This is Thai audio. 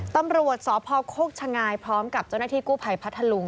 ตำรวจสพโคกชะงายพร้อมกับเจ้าหน้าที่กู้ภัยพัทธลุง